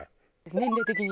年齢的に。